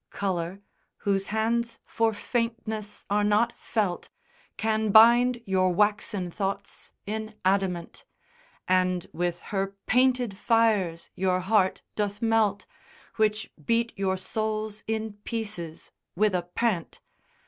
Colour, whose hands for faintness are not felt, Can bind your waxen thoughts in adamant; And with her painted fires your heart doth melt, 298 THE POEMS OF Which beat your souls in pieces with a pant.